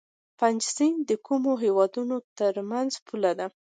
پنج سیند د کومو هیوادونو ترمنځ پوله ده؟